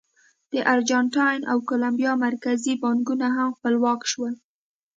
د ارجنټاین او کولمبیا مرکزي بانکونه هم خپلواک شول.